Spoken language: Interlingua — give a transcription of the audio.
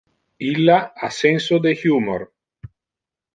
Illa ha senso de humor.